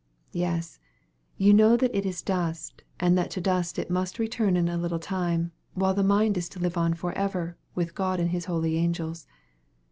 "Yes; you know that it is dust, and that to dust it must return in a little time, while the mind is to live on for ever, with God and His holy angels.